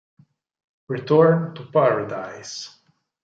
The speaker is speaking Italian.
Return to Paradise